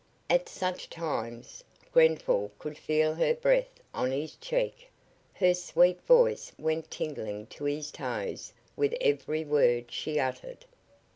At such times Grenfall could feel her breath on his cheek, Her sweet voice went tingling to his toes with every word she uttered.